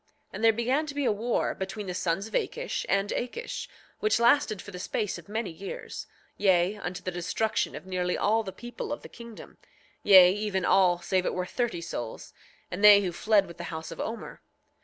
9:12 And there began to be a war between the sons of Akish and Akish, which lasted for the space of many years, yea, unto the destruction of nearly all the people of the kingdom, yea, even all, save it were thirty souls, and they who fled with the house of Omer.